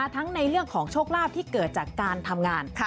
ในเรื่องของโชคลาภที่เกิดจากการทำงาน